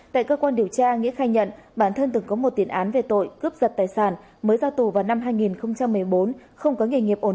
tại cơ quan điều tra nghĩa khai nhận bản thân từng có một tiền án về tội cướp giật tài sản mới ra tù vào năm hai nghìn một mươi bốn không có nghề nghiệp ổn định nên đi cướp giật để lấy tiền tiêu xài